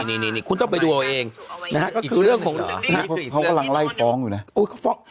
นี่คุณต้องไปดูเอาเองนะฮะนี่คือเรื่องของเขากำลังไล่ฟ้องอยู่นะ